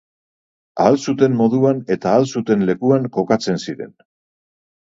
Ahal zuten moduan eta ahal zuten lekuan kokatzen ziren.